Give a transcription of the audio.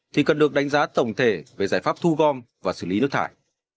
thì cần được đánh giá tổng thể về giải pháp thu gom và xử lý nước thải